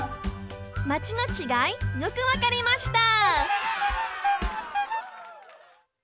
「マチ」のちがいよくわかりました！